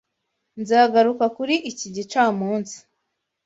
Nzagaruka kuri iki gicamunsi.